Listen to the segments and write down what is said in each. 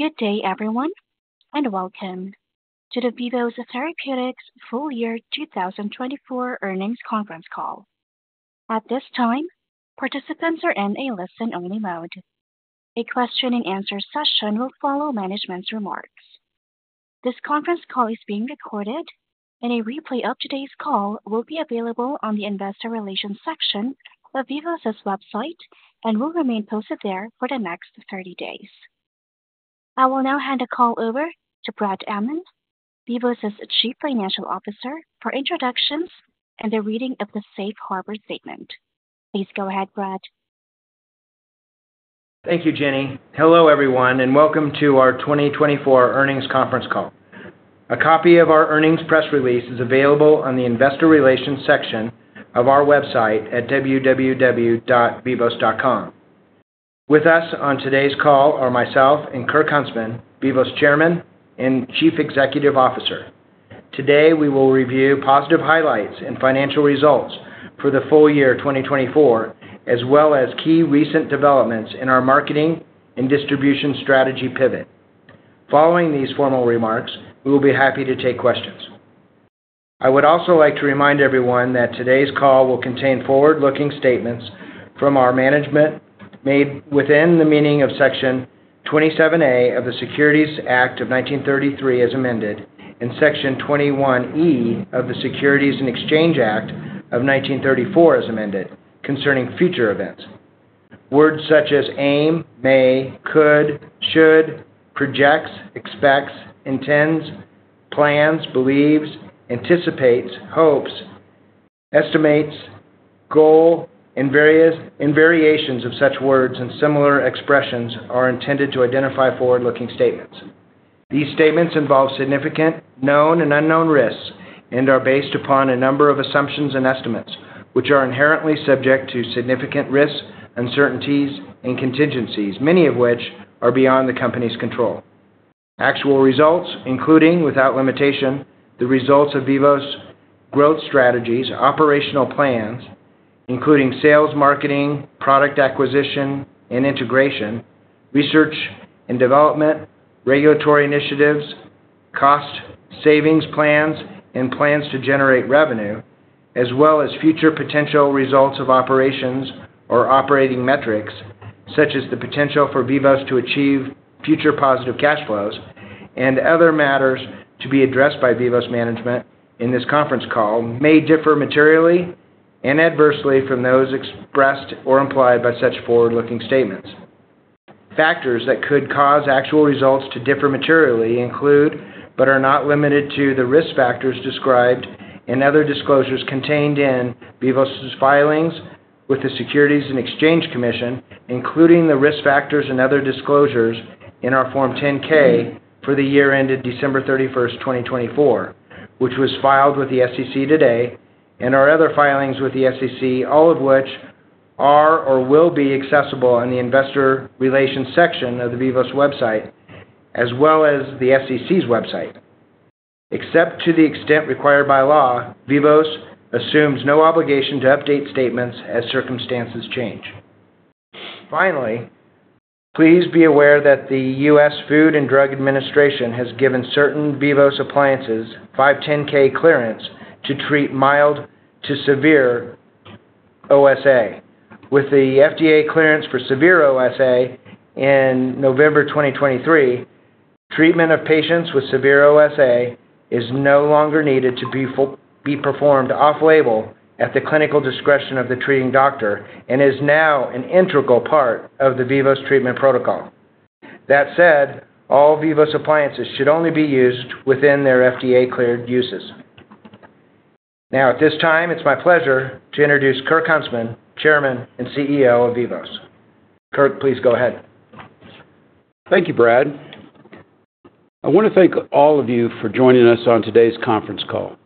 Good day, everyone, and welcome to the Vivos Therapeutics Full Year 2024 Earnings Conference Call. At this time, participants are in a listen-only mode. A question-and-answer session will follow management's remarks. This conference call is being recorded, and a replay of today's call will be available on the Investor Relations section of Vivos' website and will remain posted there for the next 30 days. I will now hand the call over to Brad Ammon, Vivos' Chief Financial Officer, for introductions and the reading of the Safe Harbor Statement. Please go ahead, Brad. Thank you, Jenny. Hello, everyone, and welcome to our 2024 Earnings Conference Call. A copy of our earnings press release is available on the Investor Relations section of our website at www.vivos.com. With us on today's call are myself and Kirk Huntsman, Vivos' Chairman and Chief Executive Officer. Today, we will review positive highlights and financial results for the full year 2024, as well as key recent developments in our marketing and distribution strategy pivot. Following these formal remarks, we will be happy to take questions. I would also like to remind everyone that today's call will contain forward-looking statements from our management made within the meaning of Section 27A of the Securities Act of 1933 as amended, and Section 21E of the Securities and Exchange Act of 1934 as amended, concerning future events. Words such as aim, may, could, should, projects, expects, intends, plans, believes, anticipates, hopes, estimates, goal, and variations of such words and similar expressions are intended to identify forward-looking statements. These statements involve significant, known, and unknown risks and are based upon a number of assumptions and estimates, which are inherently subject to significant risk, uncertainties, and contingencies, many of which are beyond the company's control. Actual results, including without limitation, the results of Vivos' growth strategies, operational plans, including sales, marketing, product acquisition and integration, research and development, regulatory initiatives, cost savings plans, and plans to generate revenue, as well as future potential results of operations or operating metrics, such as the potential for Vivos to achieve future positive cash flows and other matters to be addressed by Vivos management in this conference call, may differ materially and adversely from those expressed or implied by such forward-looking statements. Factors that could cause actual results to differ materially include, but are not limited to, the risk factors described and other disclosures contained in Vivos' filings with the Securities and Exchange Commission, including the risk factors and other disclosures in our Form 10-K for the year ended December 31, 2024, which was filed with the SEC today, and our other filings with the SEC, all of which are or will be accessible on the Investor Relations section of the Vivos website, as well as the SEC's website. Except to the extent required by law, Vivos assumes no obligation to update statements as circumstances change. Finally, please be aware that the U.S. Food and Drug Administration has given certain Vivos appliances 510(k) clearance to treat mild to severe OSA. With the FDA clearance for severe OSA in November 2023, treatment of patients with severe OSA is no longer needed to be performed off-label at the clinical discretion of the treating doctor and is now an integral part of the Vivos treatment protocol. That said, all Vivos appliances should only be used within their FDA-cleared uses. Now, at this time, it's my pleasure to introduce Kirk Huntsman, Chairman and CEO of Vivos. Kirk, please go ahead. Thank you, Brad. I want to thank all of you for joining us on today's conference call.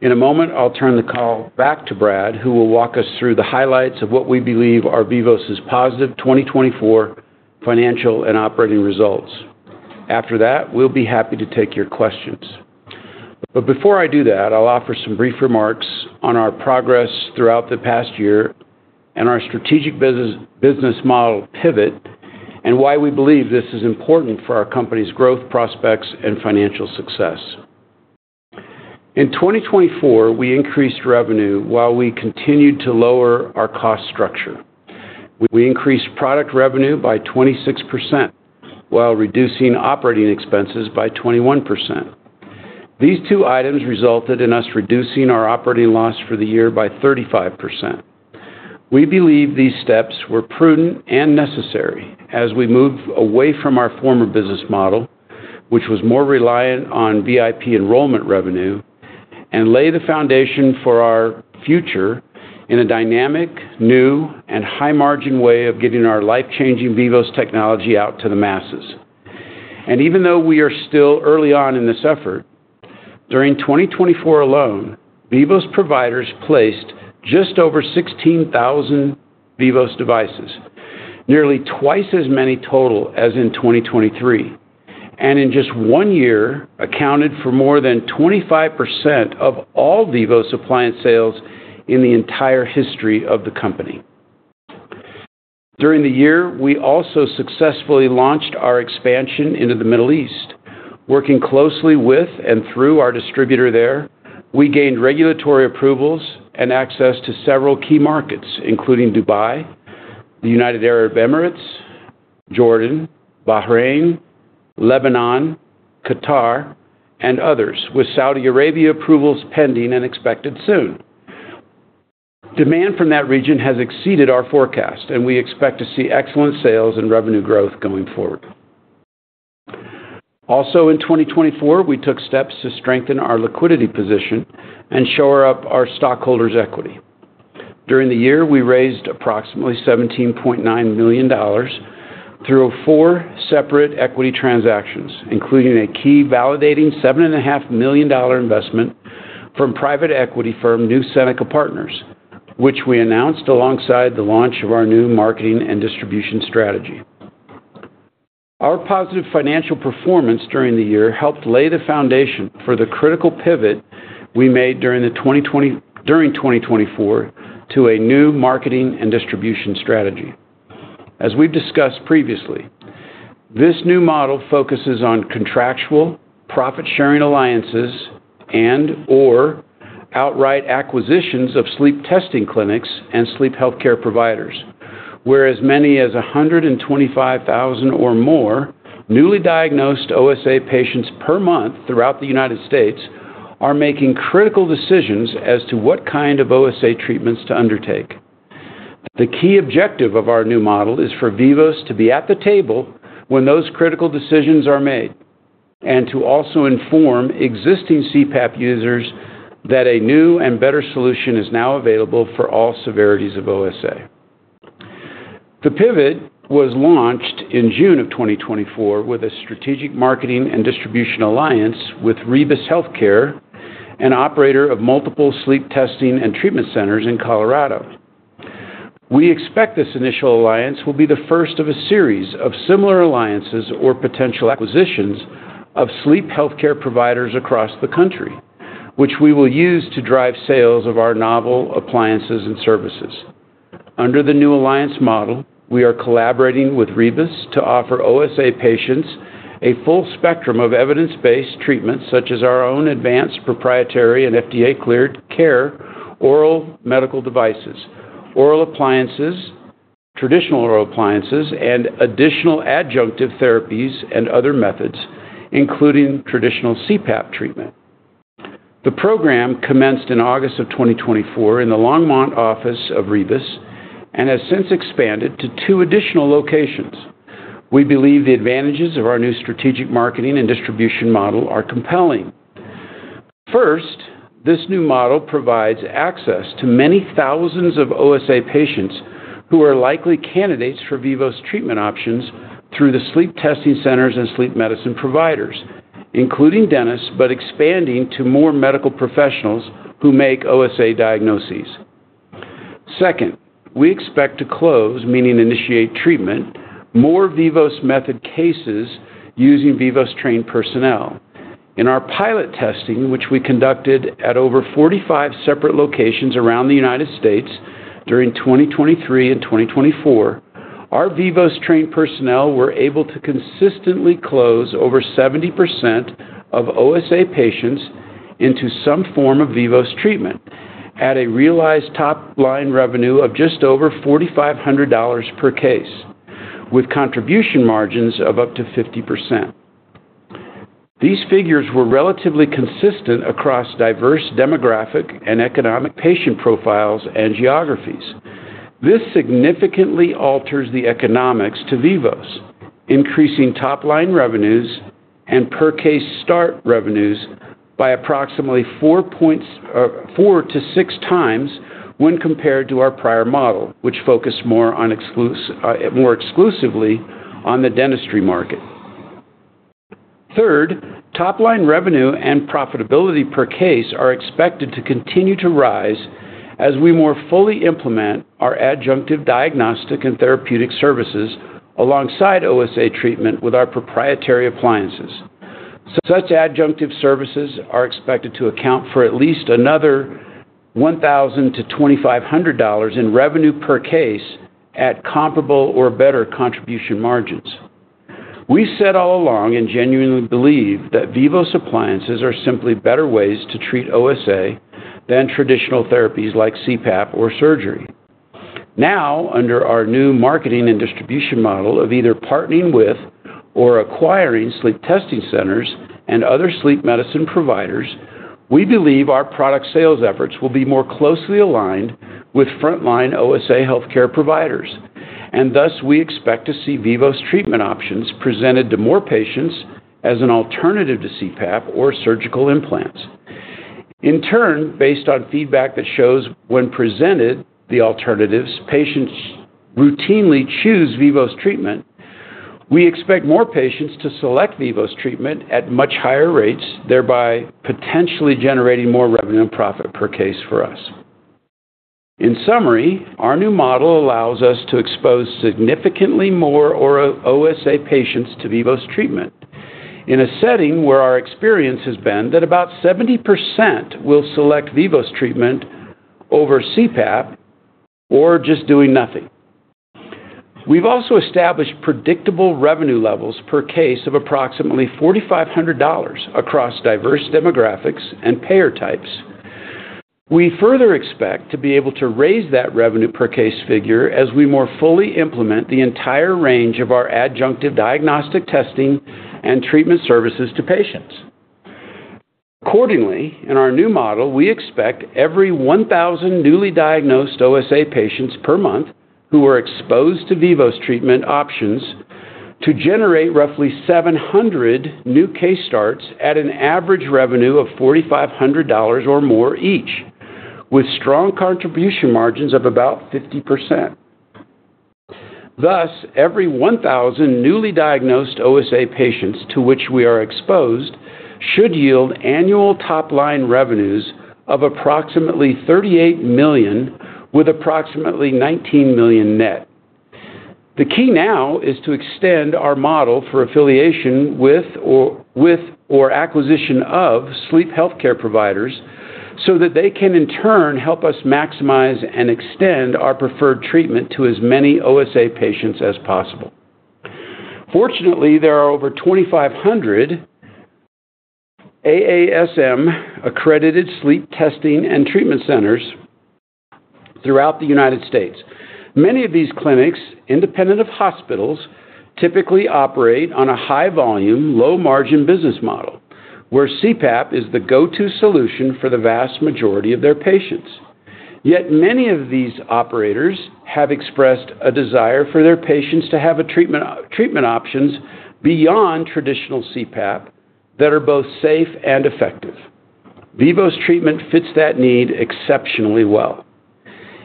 In a moment, I'll turn the call back to Brad, who will walk us through the highlights of what we believe are Vivos' positive 2024 financial and operating results. After that, we'll be happy to take your questions. Before I do that, I'll offer some brief remarks on our progress throughout the past year and our strategic business model pivot, and why we believe this is important for our company's growth prospects and financial success. In 2024, we increased revenue while we continued to lower our cost structure. We increased product revenue by 26% while reducing operating expenses by 21%. These two items resulted in us reducing our operating loss for the year by 35%. We believe these steps were prudent and necessary as we moved away from our former business model, which was more reliant on VIP enrollment revenue, and lay the foundation for our future in a dynamic, new, and high-margin way of getting our life-changing Vivos technology out to the masses. Even though we are still early on in this effort, during 2024 alone, Vivos providers placed just over 16,000 Vivos devices, nearly twice as many total as in 2023, and in just one year accounted for more than 25% of all Vivos appliance sales in the entire history of the company. During the year, we also successfully launched our expansion into the Middle East, working closely with and through our distributor there. We gained regulatory approvals and access to several key markets, including Dubai, the United Arab Emirates, Jordan, Bahrain, Lebanon, Qatar, and others, with Saudi Arabia approvals pending and expected soon. Demand from that region has exceeded our forecast, and we expect to see excellent sales and revenue growth going forward. Also, in 2024, we took steps to strengthen our liquidity position and shore up our stockholders' equity. During the year, we raised approximately $17.9 million through four separate equity transactions, including a key validating $7.5 million investment from private equity firm New Seneca Partners, which we announced alongside the launch of our new marketing and distribution strategy. Our positive financial performance during the year helped lay the foundation for the critical pivot we made during 2024 to a new marketing and distribution strategy. As we've discussed previously, this new model focuses on contractual profit-sharing alliances and/or outright acquisitions of sleep testing clinics and sleep healthcare providers, whereas as many as 125,000 or more newly diagnosed OSA patients per month throughout the United States are making critical decisions as to what kind of OSA treatments to undertake. The key objective of our new model is for Vivos to be at the table when those critical decisions are made and to also inform existing CPAP users that a new and better solution is now available for all severities of OSA. The pivot was launched in June of 2024 with a strategic marketing and distribution alliance with Rebis Healthcare, an operator of multiple sleep testing and treatment centers in Colorado. We expect this initial alliance will be the first of a series of similar alliances or potential acquisitions of sleep healthcare providers across the country, which we will use to drive sales of our novel appliances and services. Under the new alliance model, we are collaborating with Rebis to offer OSA patients a full spectrum of evidence-based treatments such as our own advanced proprietary and FDA-cleared CARE oral medical devices, oral appliances, traditional oral appliances, and additional adjunctive therapies and other methods, including traditional CPAP treatment. The program commenced in August of 2024 in the Longmont office of Rebis and has since expanded to two additional locations. We believe the advantages of our new strategic marketing and distribution model are compelling. First, this new model provides access to many thousands of OSA patients who are likely candidates for Vivos treatment options through the sleep testing centers and sleep medicine providers, including dentists, but expanding to more medical professionals who make OSA diagnoses. Second, we expect to close, meaning initiate treatment, more Vivos method cases using Vivos-trained personnel. In our pilot testing, which we conducted at over 45 separate locations around the United States during 2023 and 2024, our Vivos-trained personnel were able to consistently close over 70% of OSA patients into some form of Vivos treatment at a realized top-line revenue of just over $4,500 per case, with contribution margins of up to 50%. These figures were relatively consistent across diverse demographic and economic patient profiles and geographies. This significantly alters the economics to Vivos, increasing top-line revenues and per-case start revenues by approximately four to six times when compared to our prior model, which focused more exclusively on the dentistry market. Third, top-line revenue and profitability per case are expected to continue to rise as we more fully implement our adjunctive diagnostic and therapeutic services alongside OSA treatment with our proprietary appliances. Such adjunctive services are expected to account for at least another $1,000-$2,500 in revenue per case at comparable or better contribution margins. We said all along and genuinely believe that Vivos appliances are simply better ways to treat OSA than traditional therapies like CPAP or surgery. Now, under our new marketing and distribution model of either partnering with or acquiring sleep testing centers and other sleep medicine providers, we believe our product sales efforts will be more closely aligned with front-line OSA healthcare providers, and thus we expect to see Vivos treatment options presented to more patients as an alternative to CPAP or surgical implants. In turn, based on feedback that shows when presented the alternatives, patients routinely choose Vivos treatment. We expect more patients to select Vivos treatment at much higher rates, thereby potentially generating more revenue and profit per case for us. In summary, our new model allows us to expose significantly more OSA patients to Vivos treatment in a setting where our experience has been that about 70% will select Vivos treatment over CPAP or just doing nothing. We've also established predictable revenue levels per case of approximately $4,500 across diverse demographics and payer types. We further expect to be able to raise that revenue per case figure as we more fully implement the entire range of our adjunctive diagnostic testing and treatment services to patients. Accordingly, in our new model, we expect every 1,000 newly diagnosed OSA patients per month who are exposed to Vivos treatment options to generate roughly 700 new case starts at an average revenue of $4,500 or more each, with strong contribution margins of about 50%. Thus, every 1,000 newly diagnosed OSA patients to which we are exposed should yield annual top-line revenues of approximately $38 million, with approximately $19 million net. The key now is to extend our model for affiliation with or acquisition of sleep healthcare providers so that they can, in turn, help us maximize and extend our preferred treatment to as many OSA patients as possible. Fortunately, there are over 2,500 AASM-accredited sleep testing and treatment centers throughout the United States. Many of these clinics, independent of hospitals, typically operate on a high-volume, low-margin business model, where CPAP is the go-to solution for the vast majority of their patients. Yet many of these operators have expressed a desire for their patients to have treatment options beyond traditional CPAP that are both safe and effective. Vivos treatment fits that need exceptionally well.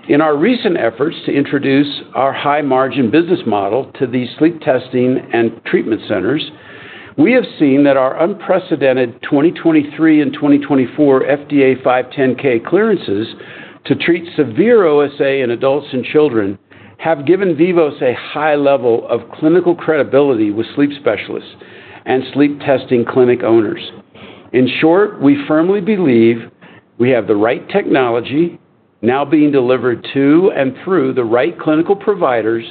In our recent efforts to introduce our high-margin business model to these sleep testing and treatment centers, we have seen that our unprecedented 2023 and 2024 FDA 510(k) clearances to treat severe OSA in adults and children have given Vivos a high level of clinical credibility with sleep specialists and sleep testing clinic owners. In short, we firmly believe we have the right technology now being delivered to and through the right clinical providers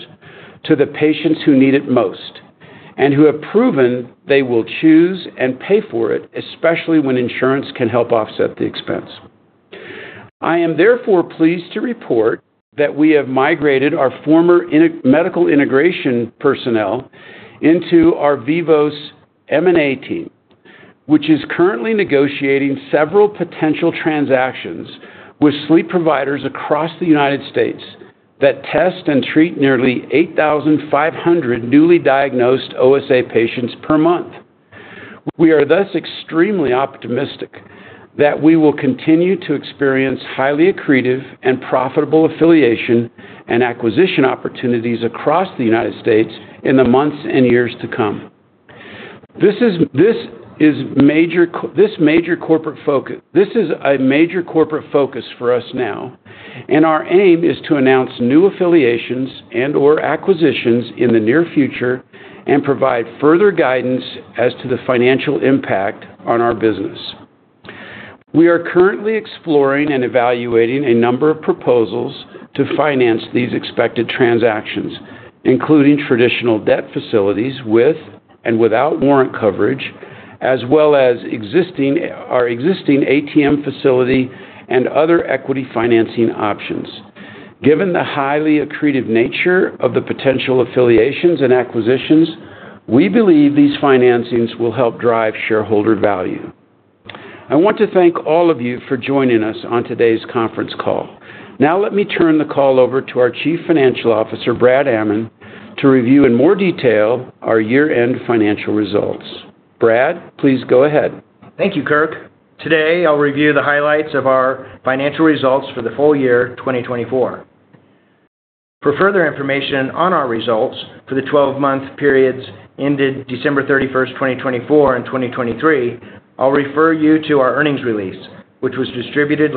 to the patients who need it most and who have proven they will choose and pay for it, especially when insurance can help offset the expense. I am therefore pleased to report that we have migrated our former medical integration personnel into our Vivos M&A team, which is currently negotiating several potential transactions with sleep providers across the United States that test and treat nearly 8,500 newly diagnosed OSA patients per month. We are thus extremely optimistic that we will continue to experience highly accretive and profitable affiliation and acquisition opportunities across the United States in the months and years to come. This is a major corporate focus for us now, and our aim is to announce new affiliations and/or acquisitions in the near future and provide further guidance as to the financial impact on our business. We are currently exploring and evaluating a number of proposals to finance these expected transactions, including traditional debt facilities with and without warrant coverage, as well as our existing ATM facility and other equity financing options. Given the highly accretive nature of the potential affiliations and acquisitions, we believe these financings will help drive shareholder value. I want to thank all of you for joining us on today's conference call. Now, let me turn the call over to our Chief Financial Officer, Brad Ammon, to review in more detail our year-end financial results. Brad, please go ahead. Thank you, Kirk. Today, I'll review the highlights of our financial results for the full year, 2024. For further information on our results for the 12-month periods ended December 31, 2024, and 2023, I'll refer you to our earnings release, which was distributed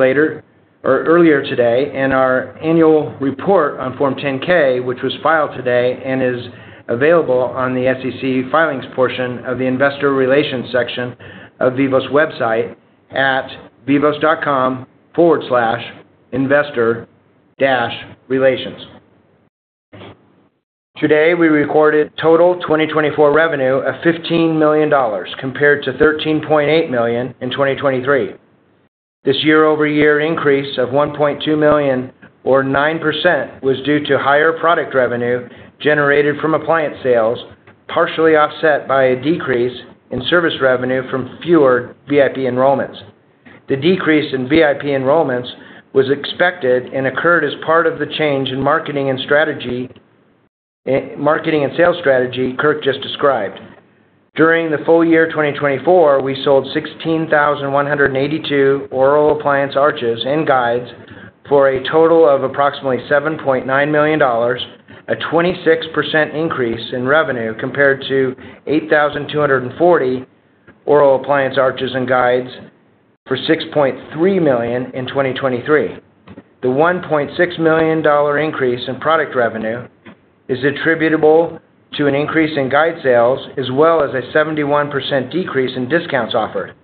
earlier today, and our annual report on Form 10-K, which was filed today and is available on the SEC filings portion of the investor relations section of Vivos website at vivos.com/investor-relations. Today, we recorded total 2024 revenue of $15 million compared to $13.8 million in 2023. This year-over-year increase of $1.2 million, or 9%, was due to higher product revenue generated from appliance sales, partially offset by a decrease in service revenue from fewer VIP enrollments. The decrease in VIP enrollments was expected and occurred as part of the change in marketing and sales strategy Kirk just described. During the full year 2024, we sold 16,182 oral appliance arches and guides for a total of approximately $7.9 million, a 26% increase in revenue compared to 8,240 oral appliance arches and guides for $6.3 million in 2023. The $1.6 million increase in product revenue is attributable to an increase in guide sales, as well as a 71% decrease in discounts offered,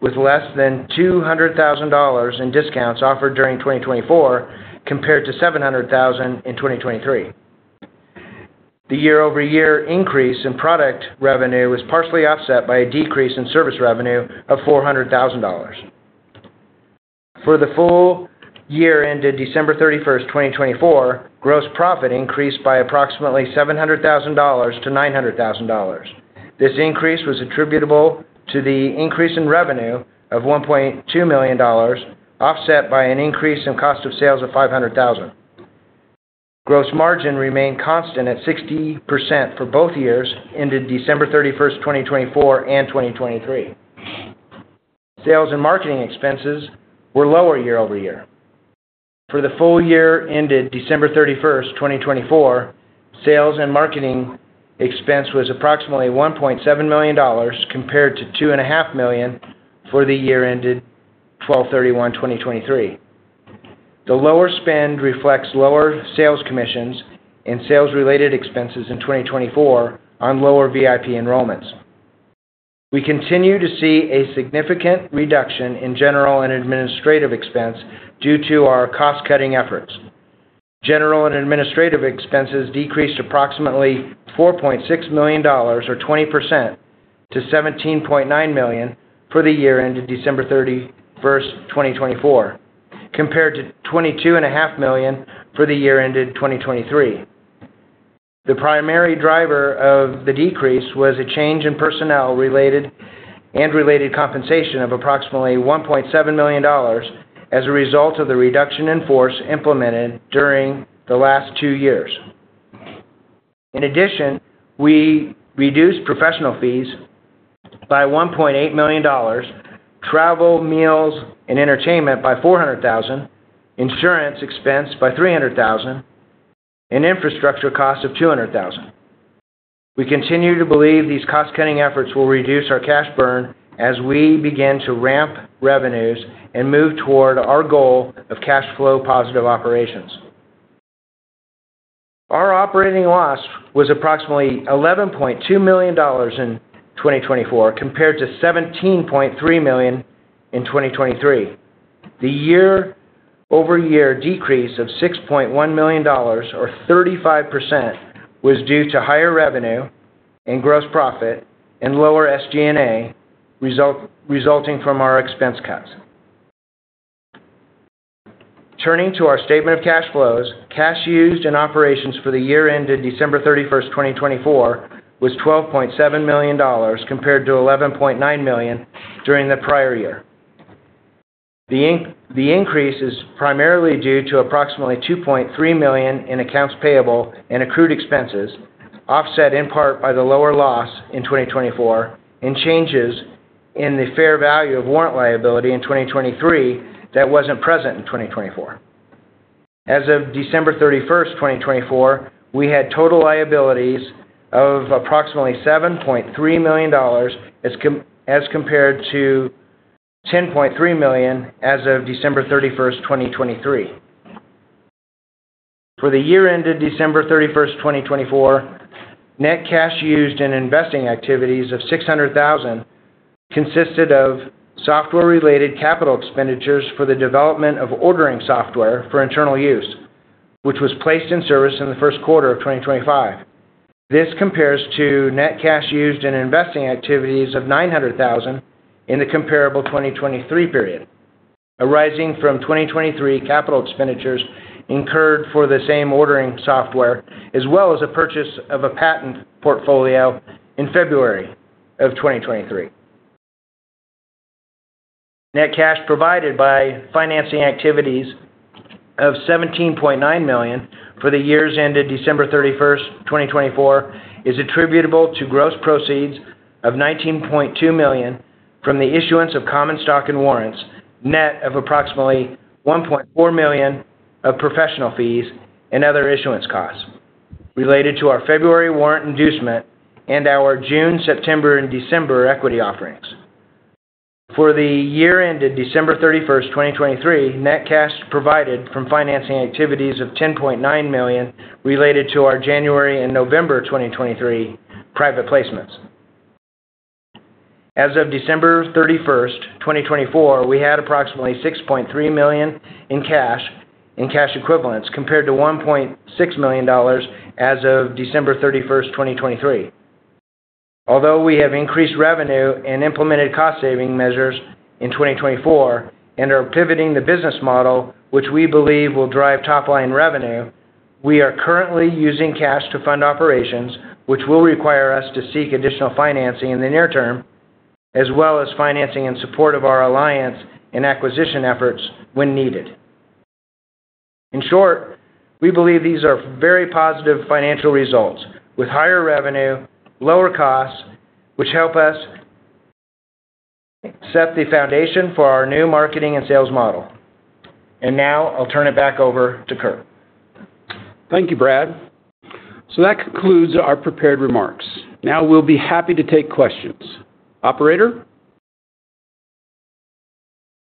with less than $200,000 in discounts offered during 2024 compared to $700,000 in 2023. The year-over-year increase in product revenue was partially offset by a decrease in service revenue of $400,000. For the full year ended December 31, 2024, gross profit increased by approximately $700,000-$900,000. This increase was attributable to the increase in revenue of $1.2 million, offset by an increase in cost of sales of $500,000. Gross margin remained constant at 60% for both years ended December 31, 2024, and 2023. Sales and marketing expenses were lower year-over-year. For the full year ended December 31, 2024, sales and marketing expense was approximately $1.7 million compared to $2.5 million for the year ended December 31, 2023. The lower spend reflects lower sales commissions and sales-related expenses in 2024 on lower VIP enrollments. We continue to see a significant reduction in general and administrative expense due to our cost-cutting efforts. General and administrative expenses decreased approximately $4.6 million, or 20%, to $17.9 million for the year ended December 31, 2024, compared to $22.5 million for the year ended 2023. The primary driver of the decrease was a change in personnel and related compensation of approximately $1.7 million as a result of the reduction in force implemented during the last two years. In addition, we reduced professional fees by $1.8 million, travel, meals, and entertainment by $400,000, insurance expense by $300,000, and infrastructure cost of $200,000. We continue to believe these cost-cutting efforts will reduce our cash burn as we begin to ramp revenues and move toward our goal of cash flow positive operations. Our operating loss was approximately $11.2 million in 2024 compared to $17.3 million in 2023. The year-over-year decrease of $6.1 million, or 35%, was due to higher revenue and gross profit and lower SG&A resulting from our expense cuts. Turning to our statement of cash flows, cash used in operations for the year ended December 31, 2024, was $12.7 million compared to $11.9 million during the prior year. The increase is primarily due to approximately $2.3 million in accounts payable and accrued expenses, offset in part by the lower loss in 2024 and changes in the fair value of warrant liability in 2023 that was not present in 2024. As of December 31, 2024, we had total liabilities of approximately $7.3 million as compared to $10.3 million as of December 31, 2023. For the year ended December 31, 2024, net cash used in investing activities of $600,000 consisted of software-related capital expenditures for the development of ordering software for internal use, which was placed in service in the first quarter of 2025. This compares to net cash used in investing activities of $900,000 in the comparable 2023 period, arising from 2023 capital expenditures incurred for the same ordering software, as well as a purchase of a patent portfolio in February of 2023. Net cash provided by financing activities of $17.9 million for the year ended December 31, 2024, is attributable to gross proceeds of $19.2 million from the issuance of common stock and warrants, net of approximately $1.4 million of professional fees and other issuance costs related to our February warrant inducement and our June, September, and December equity offerings. For the year ended December 31, 2023, net cash provided from financing activities of $10.9 million related to our January and November 2023 private placements. As of December 31, 2024, we had approximately $6.3 million in cash and cash equivalents compared to $1.6 million as of December 31, 2023. Although we have increased revenue and implemented cost-saving measures in 2024 and are pivoting the business model, which we believe will drive top-line revenue, we are currently using cash to fund operations, which will require us to seek additional financing in the near term, as well as financing in support of our alliance and acquisition efforts when needed. In short, we believe these are very positive financial results with higher revenue, lower costs, which help us set the foundation for our new marketing and sales model. Now I'll turn it back over to Kirk. Thank you, Brad. That concludes our prepared remarks. Now we'll be happy to take questions. Operator?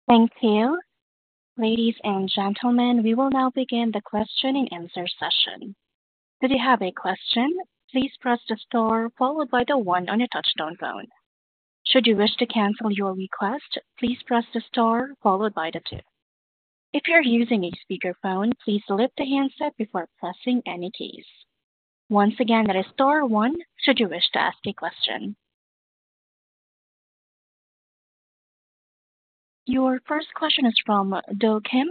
Thank you. Ladies and gentlemen, we will now begin the question and answer session. Do you have a question? Please press the star followed by the one on your touch-tone phone. Should you wish to cancel your request, please press the star followed by the two. If you're using a speakerphone, please lift the handset before pressing any keys. Once again, that is star one should you wish to ask a question. Your first question is from Do Kim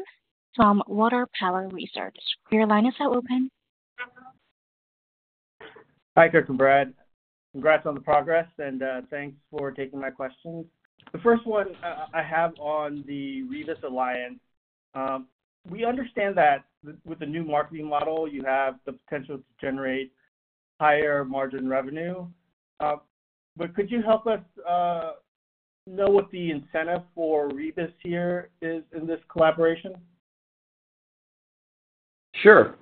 from Water Tower Research. Your line is now open. Hi, Kirk and Brad. Congrats on the progress, and thanks for taking my questions. The first one I have on the Vivos Alliance. We understand that with the new marketing model, you have the potential to generate higher margin revenue. Could you help us know what the incentive for Vivos here is in this collaboration? Sure.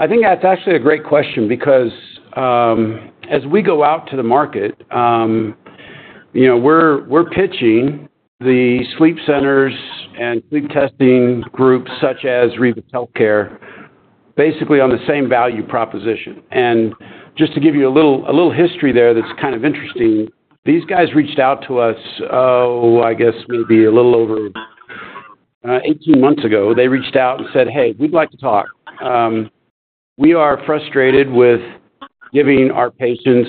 I think that's actually a great question because as we go out to the market, we're pitching the sleep centers and sleep testing groups such as Vivos Healthcare basically on the same value proposition. Just to give you a little history there that's kind of interesting, these guys reached out to us, I guess maybe a little over 18 months ago. They reached out and said, "Hey, we'd like to talk. We are frustrated with giving our patients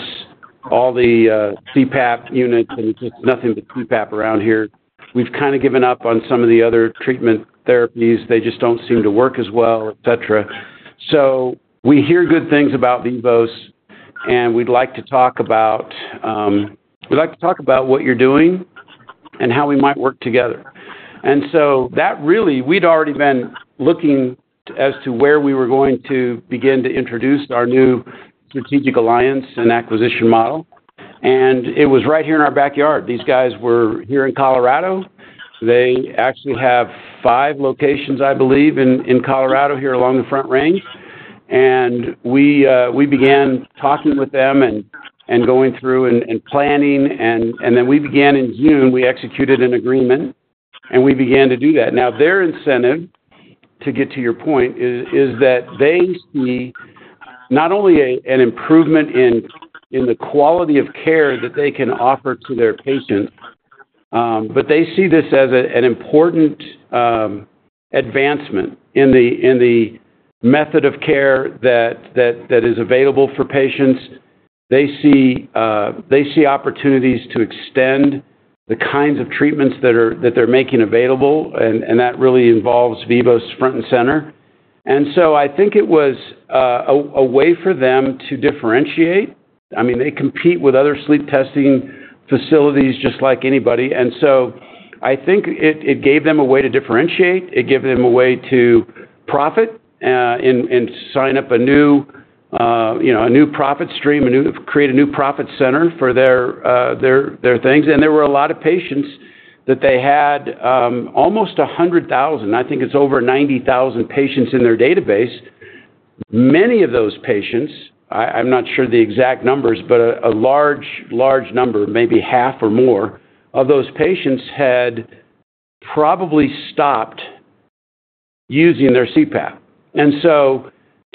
all the CPAP units, and it's just nothing but CPAP around here. We've kind of given up on some of the other treatment therapies. They just don't seem to work as well, etc. We hear good things about Vivos, and we'd like to talk about what you're doing and how we might work together. That really, we'd already been looking as to where we were going to begin to introduce our new strategic alliance and acquisition model. It was right here in our backyard. These guys were here in Colorado. They actually have five locations, I believe, in Colorado here along the Front Range. We began talking with them and going through and planning. We began in June, we executed an agreement, and we began to do that. Now, their incentive, to get to your point, is that they see not only an improvement in the quality of care that they can offer to their patients, but they see this as an important advancement in the method of care that is available for patients. They see opportunities to extend the kinds of treatments that they're making available, and that really involves Vivos front and center. I think it was a way for them to differentiate. I mean, they compete with other sleep testing facilities just like anybody. I think it gave them a way to differentiate. It gave them a way to profit and sign up a new profit stream, create a new profit center for their things. There were a lot of patients that they had, almost 100,000. I think it's over 90,000 patients in their database. Many of those patients, I'm not sure the exact numbers, but a large number, maybe half or more of those patients had probably stopped using their CPAP.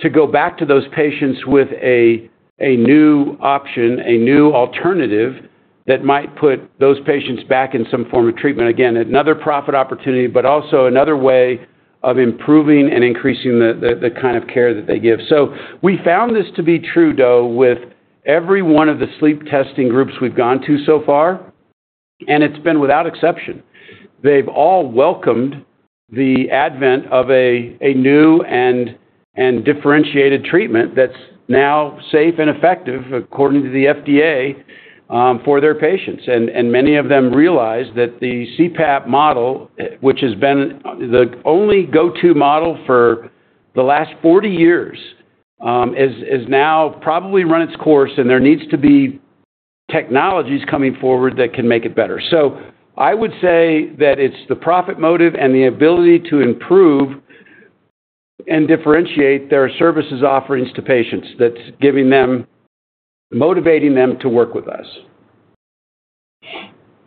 To go back to those patients with a new option, a new alternative that might put those patients back in some form of treatment, again, another profit opportunity, but also another way of improving and increasing the kind of care that they give. We found this to be true, though, with every one of the sleep testing groups we've gone to so far, and it's been without exception. They've all welcomed the advent of a new and differentiated treatment that's now safe and effective, according to the FDA, for their patients. Many of them realize that the CPAP model, which has been the only go-to model for the last 40 years, has now probably run its course, and there needs to be technologies coming forward that can make it better. I would say that it's the profit motive and the ability to improve and differentiate their services offerings to patients that's motivating them to work with us.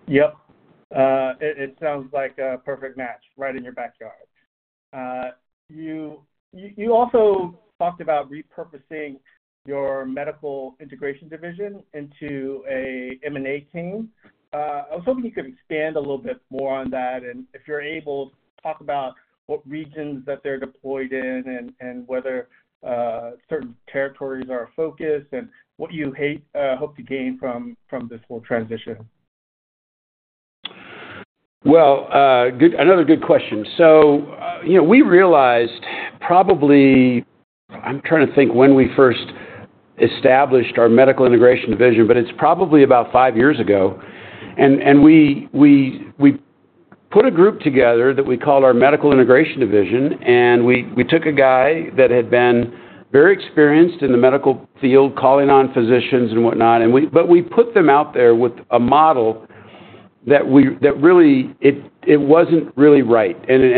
Yep. It sounds like a perfect match right in your backyard. You also talked about repurposing your Medical Integration Division into an M&A team. I was hoping you could expand a little bit more on that, and if you're able, talk about what regions that they're deployed in and whether certain territories are a focus and what you hope to gain from this whole transition. Another good question. We realized probably, I'm trying to think when we first established our Medical Integration Division, but it's probably about five years ago. We put a group together that we called our Medical Integration Division, and we took a guy that had been very experienced in the medical field, calling on physicians and whatnot. We put them out there with a model that really it wasn't really right.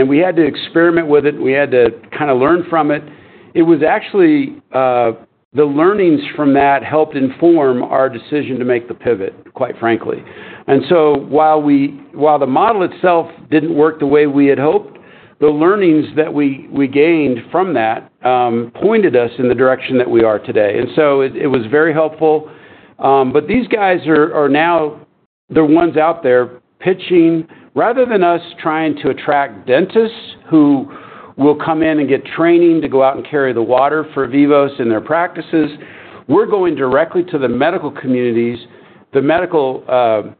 We had to experiment with it. We had to kind of learn from it. It was actually the learnings from that helped inform our decision to make the pivot, quite frankly. While the model itself didn't work the way we had hoped, the learnings that we gained from that pointed us in the direction that we are today. It was very helpful. These guys are now the ones out there pitching rather than us trying to attract dentists who will come in and get training to go out and carry the water for Vivos in their practices. We are going directly to the medical communities, the medical sleep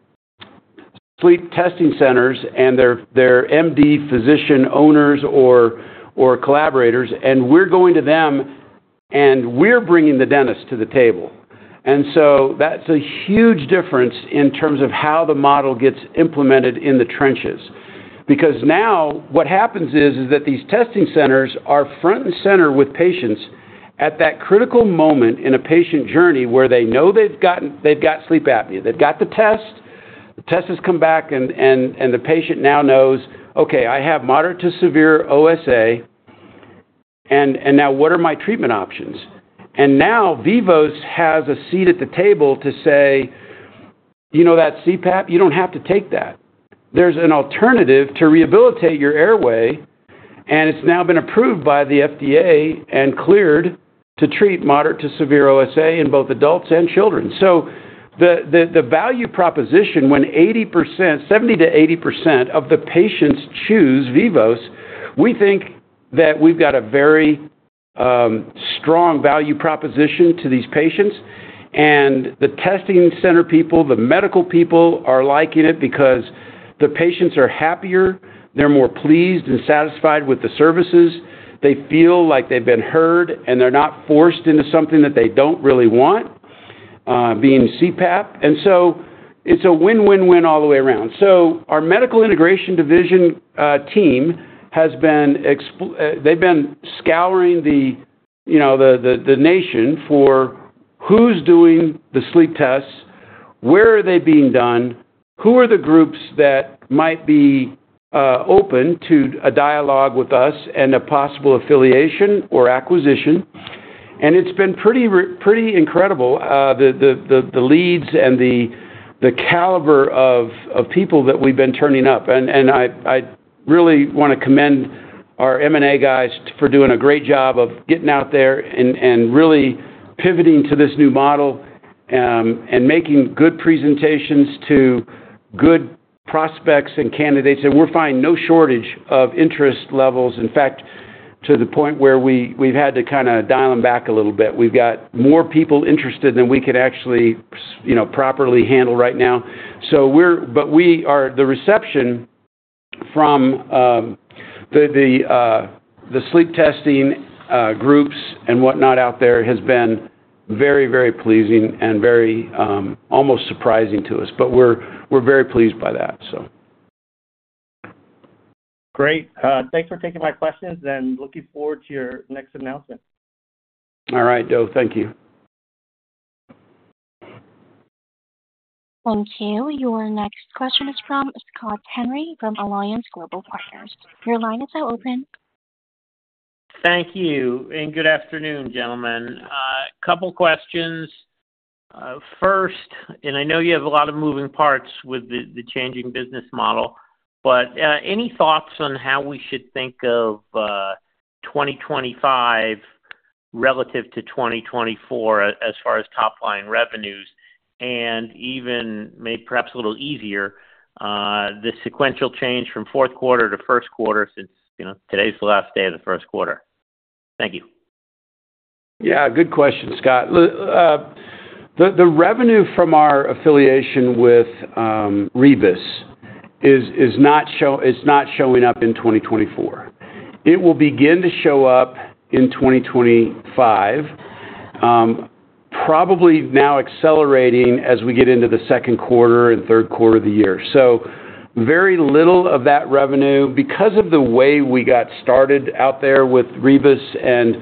testing centers and their MD physician owners or collaborators, and we are going to them, and we are bringing the dentist to the table. That is a huge difference in terms of how the model gets implemented in the trenches. Because now what happens is that these testing centers are front and center with patients at that critical moment in a patient journey where they know they have got sleep apnea. They have got the test. The test has come back, and the patient now knows, "Okay, I have moderate to severe OSA, and now what are my treatment options?" Now Vivos has a seat at the table to say, "You know that CPAP? You don't have to take that. There's an alternative to rehabilitate your airway, and it's now been approved by the FDA and cleared to treat moderate to severe OSA in both adults and children." The value proposition, when 70-80% of the patients choose Vivos, we think that we've got a very strong value proposition to these patients. The testing center people, the medical people are liking it because the patients are happier. They're more pleased and satisfied with the services. They feel like they've been heard, and they're not forced into something that they don't really want being CPAP. It's a win-win-win all the way around. Our medical integration division team has been scouring the nation for who's doing the sleep tests, where they are being done, who are the groups that might be open to a dialogue with us and a possible affiliation or acquisition. It's been pretty incredible, the leads and the caliber of people that we've been turning up. I really want to commend our M&A guys for doing a great job of getting out there and really pivoting to this new model and making good presentations to good prospects and candidates. We're finding no shortage of interest levels, in fact, to the point where we've had to kind of dial them back a little bit. We've got more people interested than we can actually properly handle right now. The reception from the sleep testing groups and whatnot out there has been very, very pleasing and very almost surprising to us. We're very pleased by that. Great. Thanks for taking my questions and looking forward to your next announcement. All right, Do. Thank you. Thank you. Your next question is from Scott Henry from Alliance Global Partners. Your line is now open. Thank you. Good afternoon, gentlemen. A couple of questions. First, I know you have a lot of moving parts with the changing business model, but any thoughts on how we should think of 2025 relative to 2024 as far as top-line revenues and even maybe perhaps a little easier the sequential change from fourth quarter to first quarter since today's the last day of the first quarter? Thank you. Yeah. Good question, Scott. The revenue from our affiliation with Rebis is not showing up in 2024. It will begin to show up in 2025, probably now accelerating as we get into the second quarter and third quarter of the year. Very little of that revenue because of the way we got started out there with Rebis and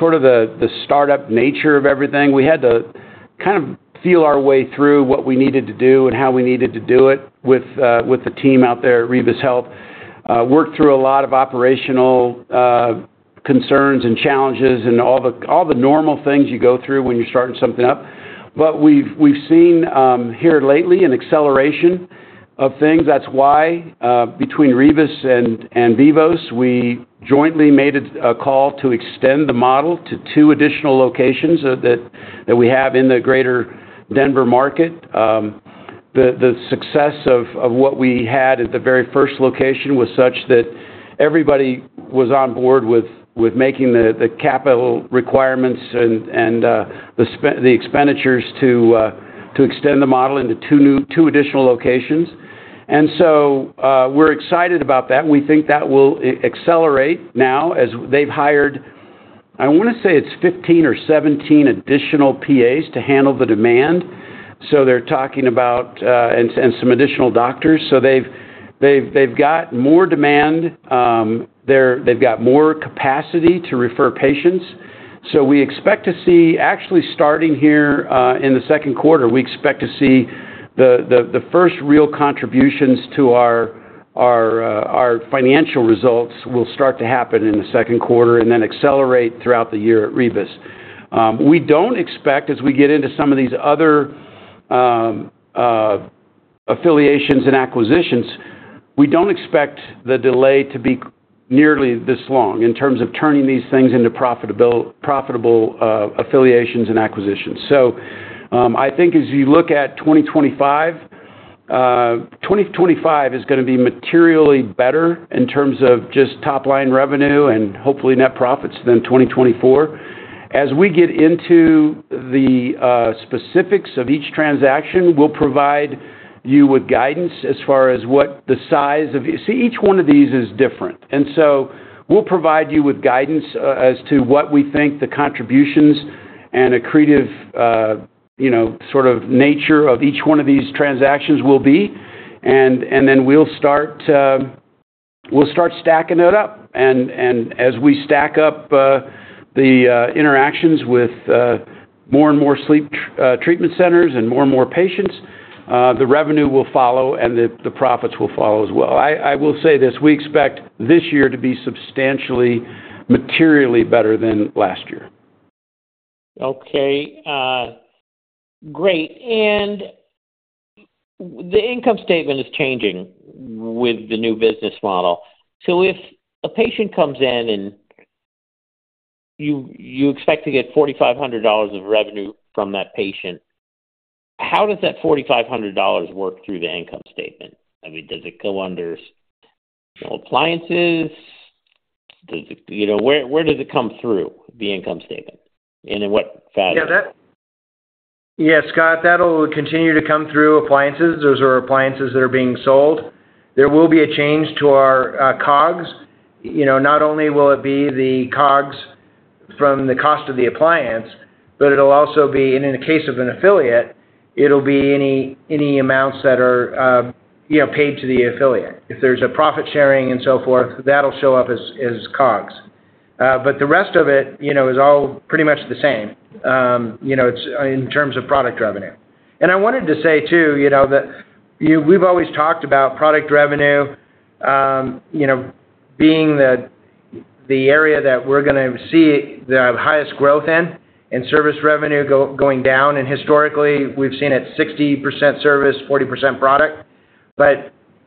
sort of the startup nature of everything. We had to kind of feel our way through what we needed to do and how we needed to do it with the team out there at Rebis Health. Worked through a lot of operational concerns and challenges and all the normal things you go through when you're starting something up. We've seen here lately an acceleration of things. That's why between Rebis and Vivos, we jointly made a call to extend the model to two additional locations that we have in the greater Denver market. The success of what we had at the very first location was such that everybody was on board with making the capital requirements and the expenditures to extend the model into two additional locations. We are excited about that. We think that will accelerate now as they've hired, I want to say it's 15 or 17 additional PAs to handle the demand. They are talking about and some additional doctors. They have got more demand. They have got more capacity to refer patients. We expect to see actually starting here in the second quarter, we expect to see the first real contributions to our financial results will start to happen in the second quarter and then accelerate throughout the year at Rebis. We don't expect as we get into some of these other affiliations and acquisitions, we don't expect the delay to be nearly this long in terms of turning these things into profitable affiliations and acquisitions. I think as you look at 2025, 2025 is going to be materially better in terms of just top-line revenue and hopefully net profits than 2024. As we get into the specifics of each transaction, we'll provide you with guidance as far as what the size of each one of these is different. We'll provide you with guidance as to what we think the contributions and accretive sort of nature of each one of these transactions will be. We'll start stacking it up. As we stack up the interactions with more and more sleep treatment centers and more and more patients, the revenue will follow and the profits will follow as well. I will say this. We expect this year to be substantially materially better than last year. Okay. Great. The income statement is changing with the new business model. If a patient comes in and you expect to get $4,500 of revenue from that patient, how does that $4,500 work through the income statement? I mean, does it go under appliances? Where does it come through, the income statement? In what fashion? Yeah, Scott, that'll continue to come through appliances. Those are appliances that are being sold. There will be a change to our COGS. Not only will it be the COGS from the cost of the appliance, but it'll also be in the case of an affiliate, it'll be any amounts that are paid to the affiliate. If there's a profit sharing and so forth, that'll show up as COGS. The rest of it is all pretty much the same in terms of product revenue. I wanted to say too that we've always talked about product revenue being the area that we're going to see the highest growth in and service revenue going down. Historically, we've seen it 60% service, 40% product.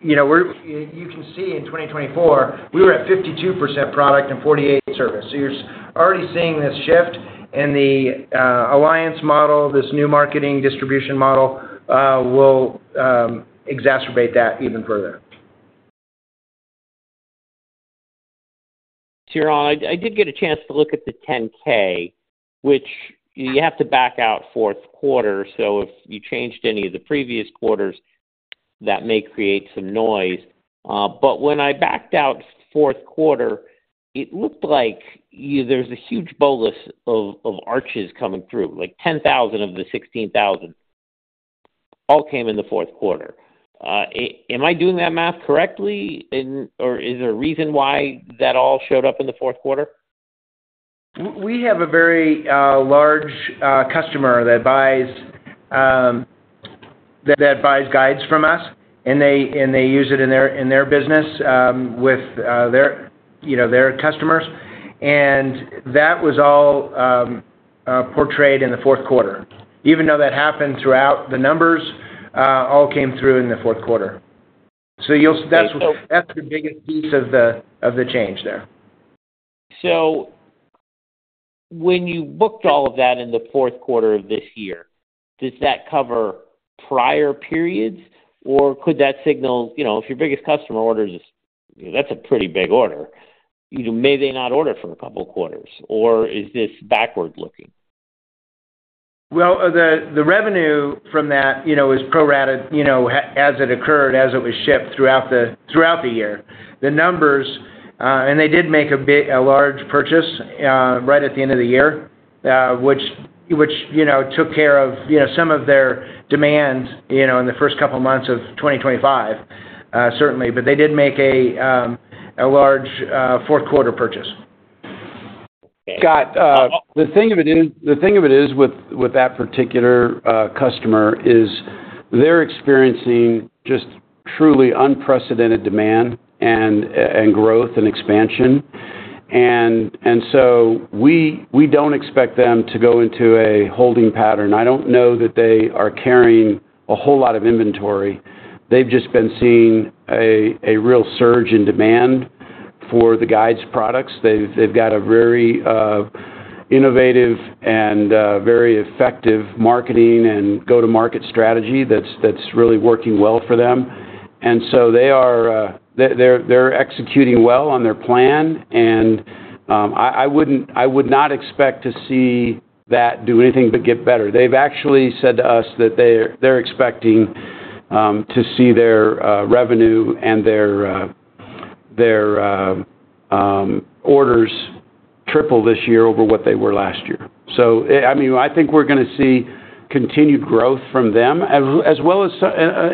You can see in 2024, we were at 52% product and 48% service. You're already seeing this shift, and the Alliance model, this new marketing distribution model, will exacerbate that even further. To your honor, I did get a chance to look at the 10-K, which you have to back out fourth quarter. If you changed any of the previous quarters, that may create some noise. When I backed out fourth quarter, it looked like there's a huge bolus of arches coming through, like 10,000 of the 16,000 all came in the fourth quarter. Am I doing that math correctly, or is there a reason why that all showed up in the fourth quarter? We have a very large customer that buys guides from us, and they use it in their business with their customers. That was all portrayed in the fourth quarter. Even though that happened throughout, the numbers all came through in the fourth quarter. That is the biggest piece of the change there. When you booked all of that in the fourth quarter of this year, does that cover prior periods, or could that signal if your biggest customer order is a pretty big order, may they not order for a couple of quarters, or is this backward-looking? The revenue from that is pro-rata as it occurred, as it was shipped throughout the year. The numbers, and they did make a large purchase right at the end of the year, which took care of some of their demand in the first couple of months of 2025, certainly. They did make a large fourth-quarter purchase. Scott, the thing of it is, the thing of it is with that particular customer is they're experiencing just truly unprecedented demand and growth and expansion. We don't expect them to go into a holding pattern. I don't know that they are carrying a whole lot of inventory. They've just been seeing a real surge in demand for the guides products. They've got a very innovative and very effective marketing and go-to-market strategy that's really working well for them. They're executing well on their plan. I would not expect to see that do anything but get better. They've actually said to us that they're expecting to see their revenue and their orders triple this year over what they were last year. I think we're going to see continued growth from them as well as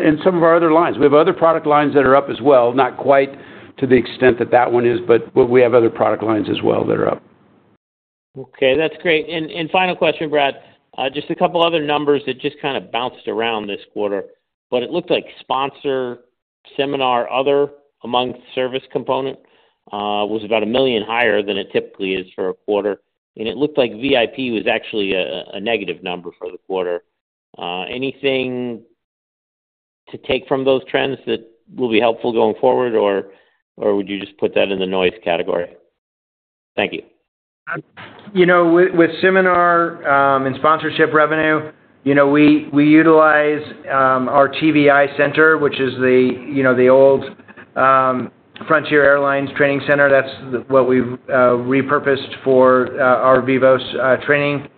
in some of our other lines. We have other product lines that are up as well, not quite to the extent that that one is, but we have other product lines as well that are up. Okay. That's great. Final question, Brad. Just a couple of other numbers that just kind of bounced around this quarter, but it looked like sponsor, seminar, other among service component was about $1 million higher than it typically is for a quarter. It looked like VIP was actually a negative number for the quarter. Anything to take from those trends that will be helpful going forward, or would you just put that in the noise category? Thank you. With seminar and sponsorship revenue, we utilize our TVI Center, which is the old Frontier Airlines Training Center. That's what we've repurposed for our Vivos Training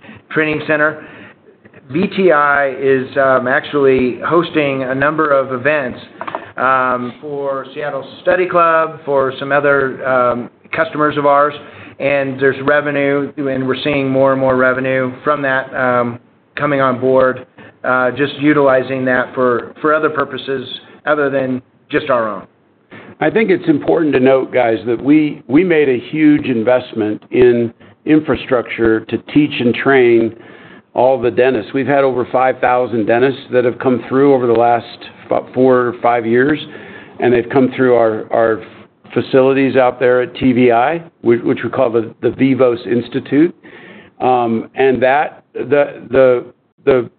Center. TVI is actually hosting a number of events for Seattle Study Club, for some other customers of ours. There's revenue, and we're seeing more and more revenue from that coming on board, just utilizing that for other purposes other than just our own. I think it's important to note, guys, that we made a huge investment in infrastructure to teach and train all the dentists. We've had over 5,000 dentists that have come through over the last four or five years, and they've come through our facilities out there at TVI, which we call the Vivos Institute. The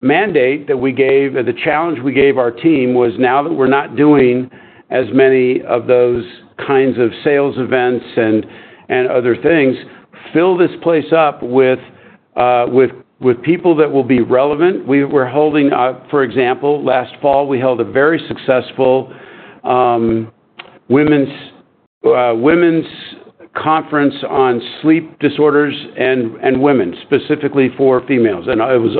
mandate that we gave and the challenge we gave our team was now that we're not doing as many of those kinds of sales events and other things, fill this place up with people that will be relevant. For example, last fall, we held a very successful women's conference on sleep disorders and women, specifically for females. It was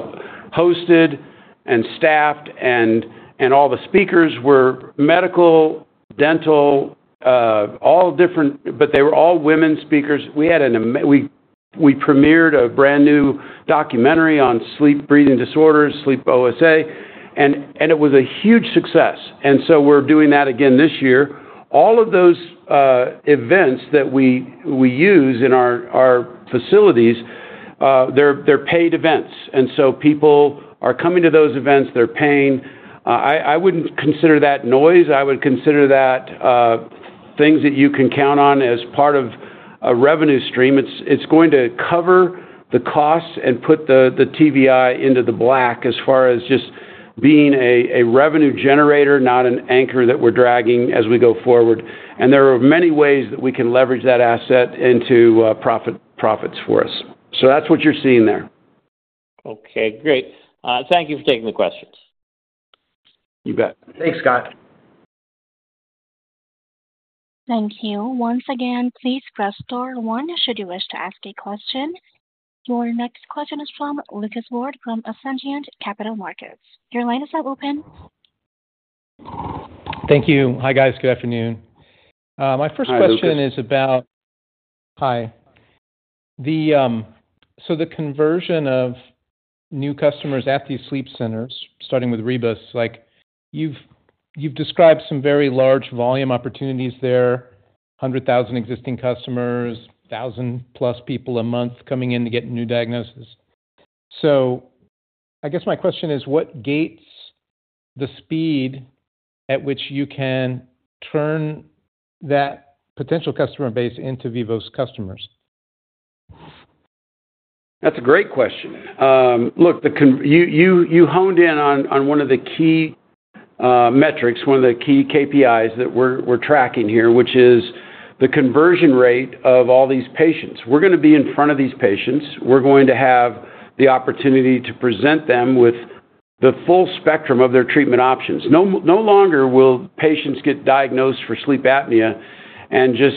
hosted and staffed, and all the speakers were medical, dental, all different, but they were all women speakers. We premiered a brand new documentary on sleep breathing disorders, sleep OSA, and it was a huge success. We are doing that again this year. All of those events that we use in our facilities, they're paid events. People are coming to those events. They're paying. I wouldn't consider that noise. I would consider that things that you can count on as part of a revenue stream. It's going to cover the costs and put the TVI into the black as far as just being a revenue generator, not an anchor that we're dragging as we go forward. There are many ways that we can leverage that asset into profits for us. That's what you're seeing there. Okay. Great. Thank you for taking the questions. You bet. Thanks, Scott. Thank you. Once again, please press star one should you wish to ask a question. Your next question is from Lucas Ward from Ascendiant Capital Markets. Your line is now open. Thank you. Hi, guys. Good afternoon. My first question is about. Hi. Hi. The conversion of new customers at these sleep centers, starting with Rebis, you've described some very large volume opportunities there, 100,000 existing customers, 1,000-plus people a month coming in to get new diagnoses. I guess my question is, what gates the speed at which you can turn that potential customer base into Vivos customers? That's a great question. Look, you honed in on one of the key metrics, one of the key KPIs that we're tracking here, which is the conversion rate of all these patients. We're going to be in front of these patients. We're going to have the opportunity to present them with the full spectrum of their treatment options. No longer will patients get diagnosed for sleep apnea and just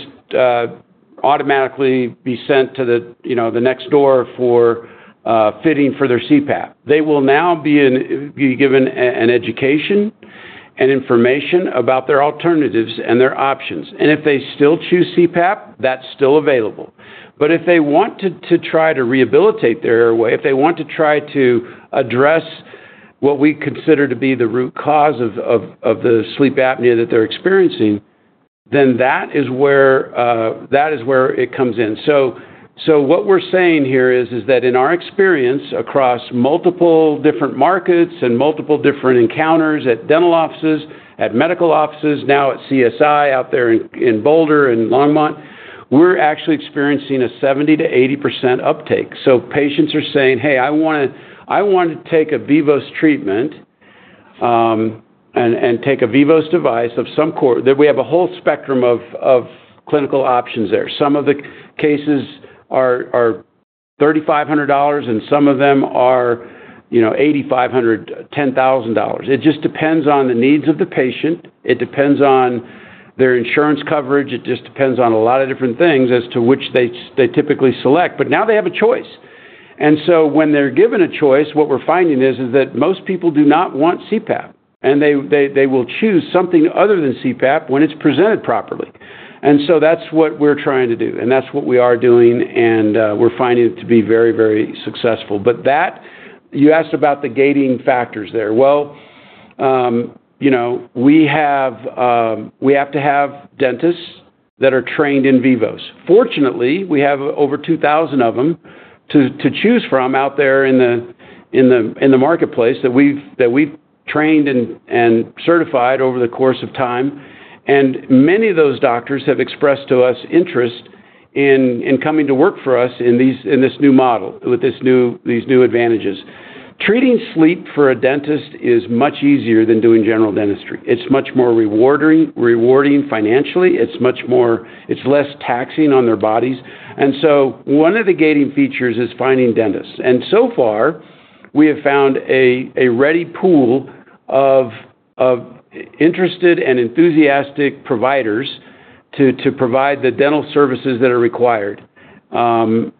automatically be sent to the next door for fitting for their CPAP. They will now be given an education and information about their alternatives and their options. If they still choose CPAP, that's still available. If they want to try to rehabilitate their airway, if they want to try to address what we consider to be the root cause of the sleep apnea that they're experiencing, that is where it comes in. What we're saying here is that in our experience across multiple different markets and multiple different encounters at dental offices, at medical offices, now at CSI out there in Boulder and Longmont, we're actually experiencing a 70-80% uptake. Patients are saying, "Hey, I want to take a Vivos treatment and take a Vivos device of some quarter." We have a whole spectrum of clinical options there. Some of the cases are $3,500, and some of them are $8,500, $10,000. It just depends on the needs of the patient. It depends on their insurance coverage. It just depends on a lot of different things as to which they typically select. Now they have a choice. When they're given a choice, what we're finding is that most people do not want CPAP, and they will choose something other than CPAP when it's presented properly. That is what we are trying to do, and that is what we are doing, and we are finding it to be very, very successful. You asked about the gating factors there. We have to have dentists that are trained in Vivos. Fortunately, we have over 2,000 of them to choose from out there in the marketplace that we have trained and certified over the course of time. Many of those doctors have expressed to us interest in coming to work for us in this new model with these new advantages. Treating sleep for a dentist is much easier than doing general dentistry. It is much more rewarding financially. It is less taxing on their bodies. One of the gating features is finding dentists. So far, we have found a ready pool of interested and enthusiastic providers to provide the dental services that are required. I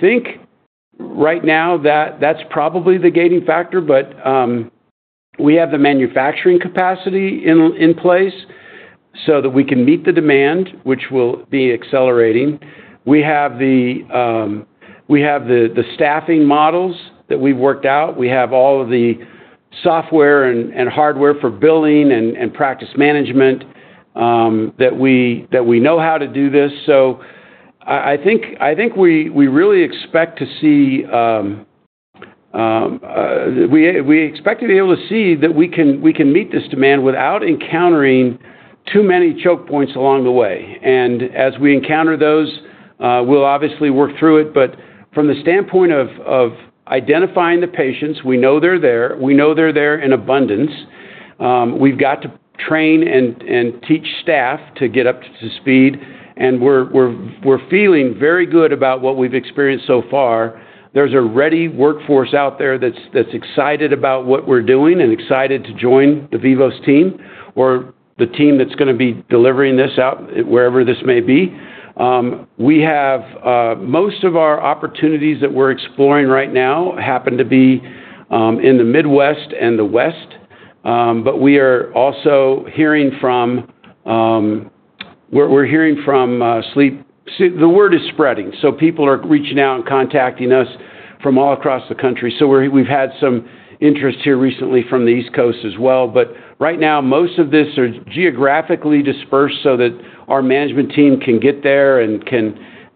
think right now that that's probably the gating factor, but we have the manufacturing capacity in place so that we can meet the demand, which will be accelerating. We have the staffing models that we've worked out. We have all of the software and hardware for billing and practice management that we know how to do this. I think we really expect to see we expect to be able to see that we can meet this demand without encountering too many choke points along the way. As we encounter those, we'll obviously work through it. From the standpoint of identifying the patients, we know they're there. We know they're there in abundance. We've got to train and teach staff to get up to speed. We're feeling very good about what we've experienced so far. There's a ready workforce out there that's excited about what we're doing and excited to join the Vivos team or the team that's going to be delivering this out wherever this may be. Most of our opportunities that we're exploring right now happen to be in the Midwest and the West. We are also hearing from sleep. The word is spreading. People are reaching out and contacting us from all across the country. We've had some interest here recently from the East Coast as well. Right now, most of this is geographically dispersed so that our management team can get there and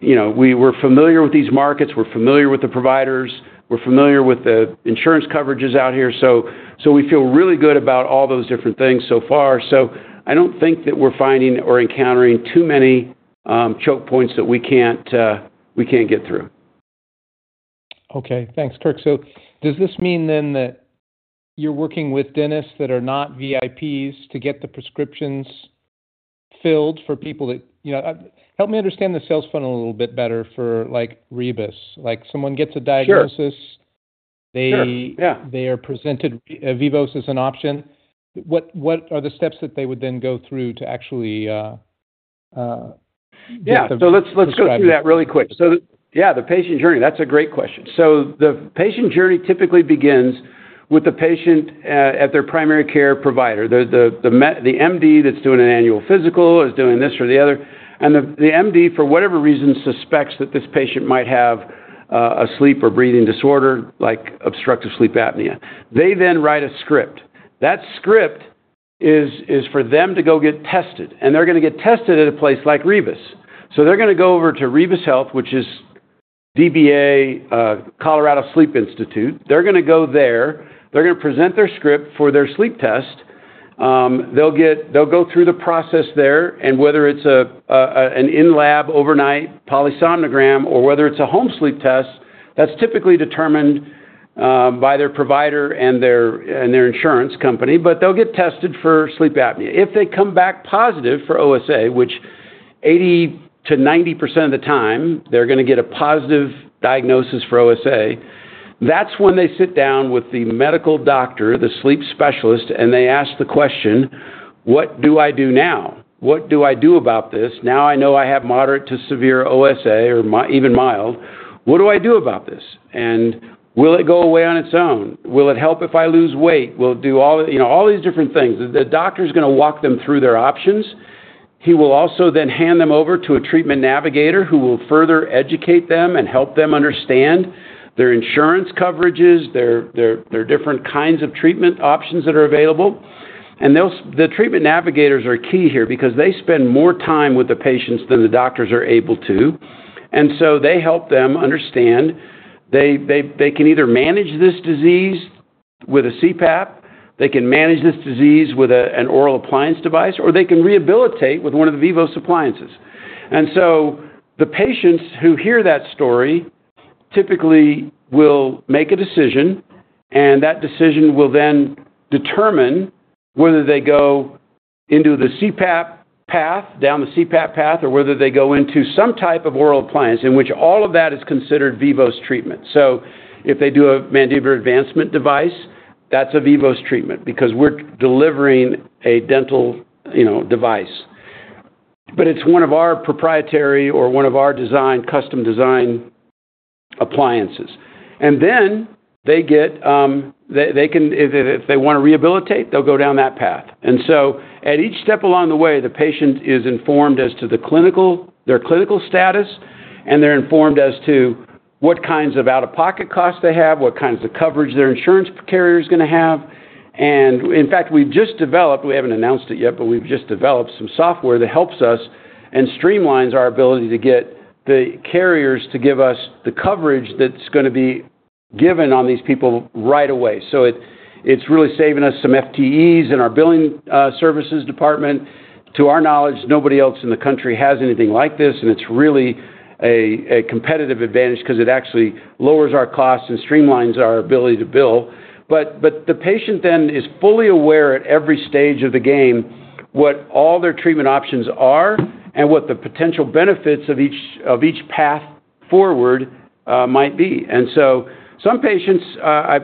we're familiar with these markets. We're familiar with the providers. We're familiar with the insurance coverages out here. We feel really good about all those different things so far. I don't think that we're finding or encountering too many choke points that we can't get through. Okay. Thanks, Kirk. Does this mean then that you're working with dentists that are not VIPs to get the prescriptions filled for people? Help me understand the sales funnel a little bit better for Rebis. Someone gets a diagnosis. They are presented Vivos as an option. What are the steps that they would then go through to actually get them? Yeah. Let's go through that really quick. Yeah, the patient journey. That's a great question. The patient journey typically begins with the patient at their primary care provider. The MD that's doing an annual physical is doing this or the other. The MD, for whatever reason, suspects that this patient might have a sleep or breathing disorder like obstructive sleep apnea. They then write a script. That script is for them to go get tested. They're going to get tested at a place like Rebis. They're going to go over to Rebis Healthcare, which is DBA Colorado Sleep Institute. They're going to go there. They're going to present their script for their sleep test. They'll go through the process there. Whether it's an in-lab overnight polysomnogram or whether it's a home sleep test, that's typically determined by their provider and their insurance company. They'll get tested for sleep apnea. If they come back positive for OSA, which 80-90% of the time they're going to get a positive diagnosis for OSA, that's when they sit down with the medical doctor, the sleep specialist, and they ask the question, "What do I do now? What do I do about this? Now I know I have moderate to severe OSA or even mild. What do I do about this? Will it go away on its own? Will it help if I lose weight? Will it do all these different things?" The doctor's going to walk them through their options. He will also then hand them over to a treatment navigator who will further educate them and help them understand their insurance coverages, their different kinds of treatment options that are available. The treatment navigators are key here because they spend more time with the patients than the doctors are able to. They help them understand. They can either manage this disease with a CPAP, they can manage this disease with an oral appliance device, or they can rehabilitate with one of the Vivos appliances. The patients who hear that story typically will make a decision, and that decision will then determine whether they go down the CPAP path, or whether they go into some type of oral appliance in which all of that is considered Vivos treatment. If they do a mandibular advancement device, that's a Vivos treatment because we're delivering a dental device. It's one of our proprietary or one of our custom design appliances. If they want to rehabilitate, they'll go down that path. At each step along the way, the patient is informed as to their clinical status, and they're informed as to what kinds of out-of-pocket costs they have, what kinds of coverage their insurance carrier is going to have. In fact, we've just developed—we haven't announced it yet, but we've just developed some software that helps us and streamlines our ability to get the carriers to give us the coverage that's going to be given on these people right away. It's really saving us some FTEs in our billing services department. To our knowledge, nobody else in the country has anything like this, and it's really a competitive advantage because it actually lowers our costs and streamlines our ability to bill. The patient then is fully aware at every stage of the game what all their treatment options are and what the potential benefits of each path forward might be. Some patients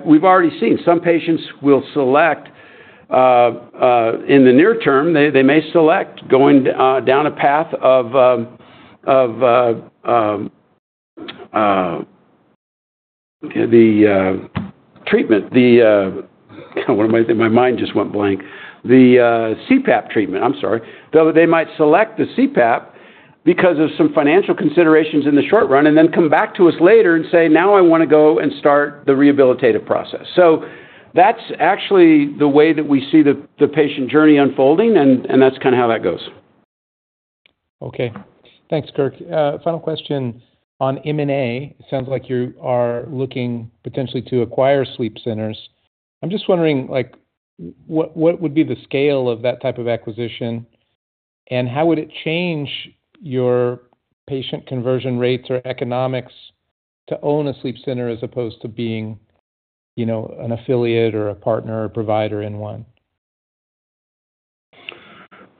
we've already seen. Some patients will select in the near term. They may select going down a path of the treatment. My mind just went blank. The CPAP treatment. I'm sorry. They might select the CPAP because of some financial considerations in the short run and then come back to us later and say, "Now I want to go and start the rehabilitative process." That's actually the way that we see the patient journey unfolding, and that's kind of how that goes. Okay. Thanks, Kirk. Final question on M&A. It sounds like you are looking potentially to acquire sleep centers. I'm just wondering, what would be the scale of that type of acquisition, and how would it change your patient conversion rates or economics to own a sleep center as opposed to being an affiliate or a partner or provider in one?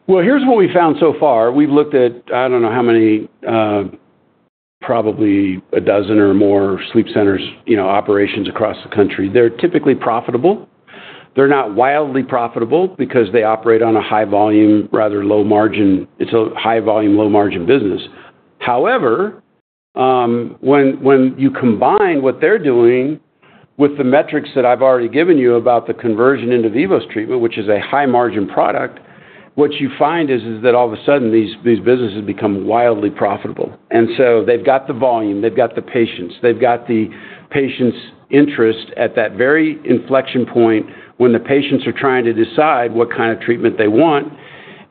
Here's what we found so far. We've looked at—I don't know how many, probably a dozen or more sleep centers' operations across the country. They're typically profitable. They're not wildly profitable because they operate on a high volume, rather low margin. It's a high volume, low margin business. However, when you combine what they're doing with the metrics that I've already given you about the conversion into Vivos treatment, which is a high margin product, what you find is that all of a sudden, these businesses become wildly profitable. They've got the volume. They've got the patients. They've got the patients' interest at that very inflection point when the patients are trying to decide what kind of treatment they want.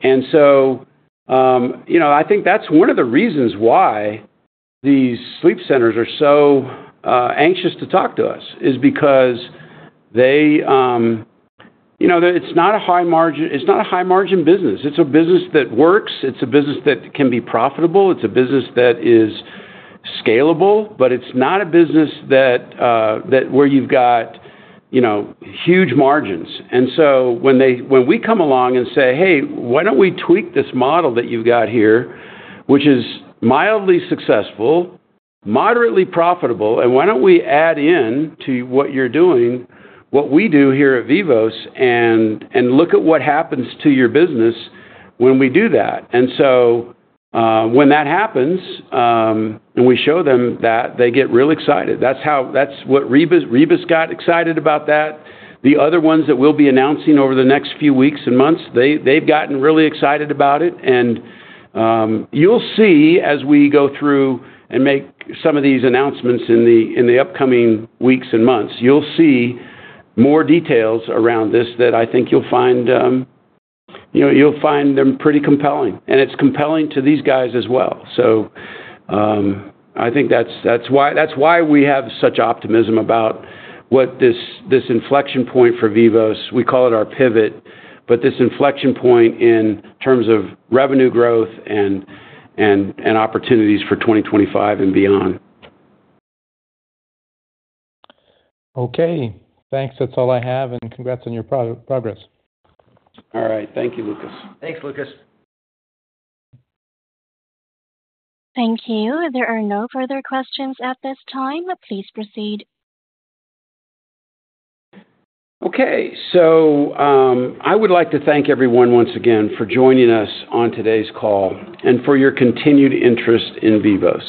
I think that's one of the reasons why these sleep centers are so anxious to talk to us is because it's not a high margin business. It's a business that works. It's a business that can be profitable. It's a business that is scalable, but it's not a business where you've got huge margins. When we come along and say, "Hey, why don't we tweak this model that you've got here, which is mildly successful, moderately profitable, and why don't we add in to what you're doing, what we do here at Vivos, and look at what happens to your business when we do that?" When that happens and we show them that, they get real excited. That's what Rebis got excited about. The other ones that we'll be announcing over the next few weeks and months, they've gotten really excited about it. You will see as we go through and make some of these announcements in the upcoming weeks and months, you will see more details around this that I think you'll find pretty compelling. It is compelling to these guys as well. I think that's why we have such optimism about what this inflection point for Vivos—we call it our pivot—this inflection point in terms of revenue growth and opportunities for 2025 and beyond. Okay. Thanks. That's all I have. Congrats on your progress. All right. Thank you, Lucas. Thanks, Lucas. Thank you. There are no further questions at this time. Please proceed. Okay. I would like to thank everyone once again for joining us on today's call and for your continued interest in Vivos.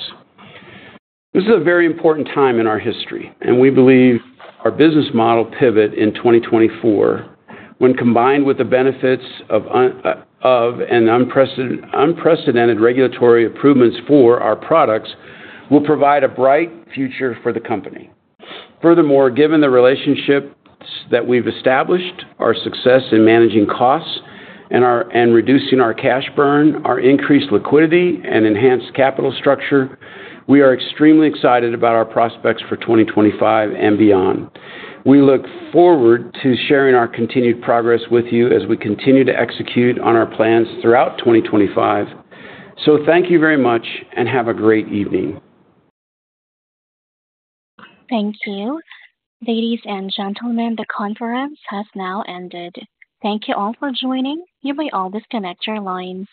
This is a very important time in our history, and we believe our business model pivot in 2024, when combined with the benefits of unprecedented regulatory improvements for our products, will provide a bright future for the company. Furthermore, given the relationships that we've established, our success in managing costs and reducing our cash burn, our increased liquidity, and enhanced capital structure, we are extremely excited about our prospects for 2025 and beyond. We look forward to sharing our continued progress with you as we continue to execute on our plans throughout 2025. Thank you very much and have a great evening. Thank you. Ladies and gentlemen, the conference has now ended. Thank you all for joining. You may all disconnect your lines.